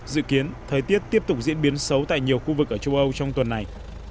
dự kiến thời tiết tiếp tục diễn biến xấu tại nhiều khu vực ở châu âu trong tuần này